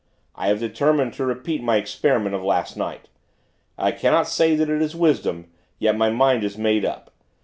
I have determined to repeat my experiment of last night. I cannot say that it is wisdom; yet my mind is made up.